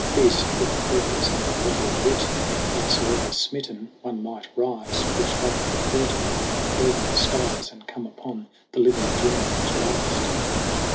These with a purpose and a little wit, And howsoever smitten, one might rise, Push back the curtain of the curving skies, And come upon the living dream at last.